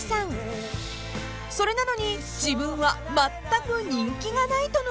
［それなのに「自分はまったく人気がない」とのこと］